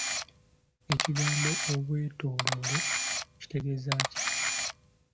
Ekigambo obwetooloole kitegeeza ki?